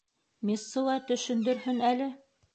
Мессуа төшөндөрһөн әле.